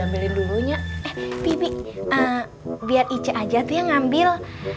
ya udah icah ambil dulunya bibi biar icah aja tuh yang ngambil